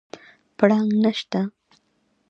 پړانګ نشته